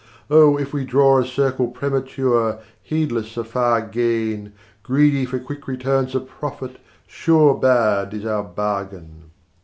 Oh, if we draw a circle premature, Heedless of far gain, Greedy for quick returns of profit, sure Bad is our bargain!